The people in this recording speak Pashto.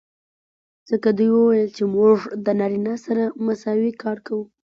ځکه دوي وويل چې موږ د نارينه سره مساوي کار کو.